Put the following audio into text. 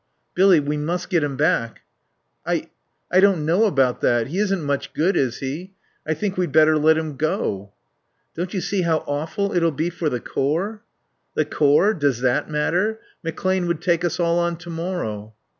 "Billy we must get him back." "I I don't know about that. He isn't much good, is he? I think we'd better let him go." "Don't you see how awful it'll be for the Corps?" "The Corps? Does that matter? McClane would take us all on to morrow."